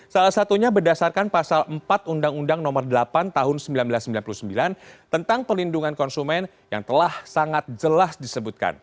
salah satunya berdasarkan pasal empat undang undang nomor delapan tahun seribu sembilan ratus sembilan puluh sembilan tentang pelindungan konsumen yang telah sangat jelas disebutkan